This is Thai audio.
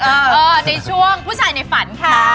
ในช่วงผู้ชายในฝันค่ะ